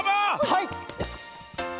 はい！